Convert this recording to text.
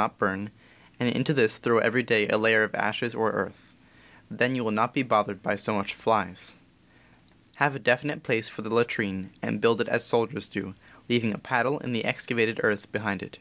, not burn, and into this throw every day a layer of ashes or earth. Then you will not be bothered so much by flies. Have a definite place for the latrine, and build it as soldiers do, leav ing a paddle in the excavated earth behind it.